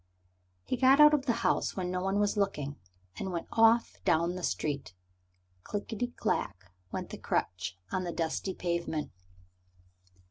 He got out of the house when no one was looking, and went off down the street. "Clickety clack" went the crutch on the dusty pavement.